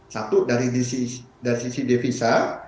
satu dari sisi devisa